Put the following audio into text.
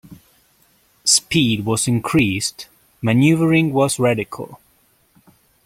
Speed was increased; maneuvering was radical.